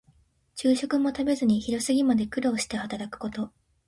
昼食も食べずに昼過ぎまで苦労して働くこと。